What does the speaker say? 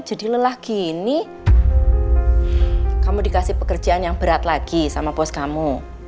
jadi lelah gini kamu dikasih pekerjaan yang berat lagi sama bos kamu